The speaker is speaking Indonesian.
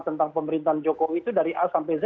tentang pemerintahan jokowi itu dari a sampai z